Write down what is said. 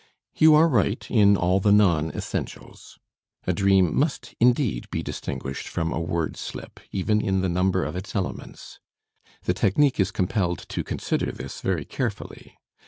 You are right in all the non essentials. A dream must indeed be distinguished from a word slip, even in the number of its elements. The technique is compelled to consider this very carefully.